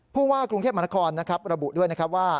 ผู้ว่ากรุงเทพมหานครนะครับระบุด้วยนะครับว่า